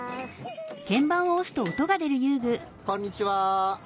こんにちは。